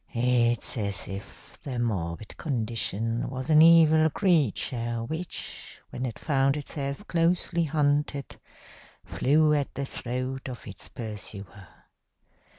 "It's as if the morbid condition was an evil creature which, when it found itself closely hunted, flew at the throat of its pursuer.